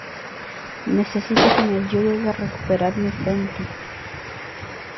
necesito que me ayudes a recuperar mi fe en ti.